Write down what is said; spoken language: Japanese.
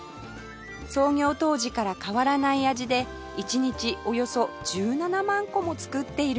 創業当時から変わらない味で一日およそ１７万個も作っているそうです